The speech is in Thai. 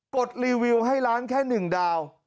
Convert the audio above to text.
ดรีวิวให้ร้านแค่๑ดาว